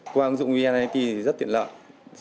qua ứng dụng vneid thì rất tiện lợi